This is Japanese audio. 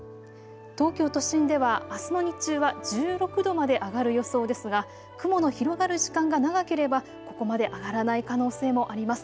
東京都心では、あすの日中は１６度まで上がる予想ですが雲の広がる時間が長ければここまで上がらない可能性もあります。